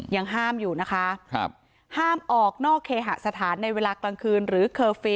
ยังห้ามอยู่นะคะครับห้ามออกนอกเคหสถานในเวลากลางคืนหรือเคอร์ฟิล